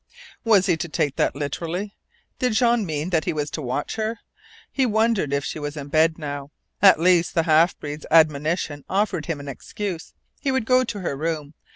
Was he to take that literally? Did Jean mean that he was to watch her? He wondered if she was in bed now. At least the half breed's admonition offered him an excuse. He would go to her room.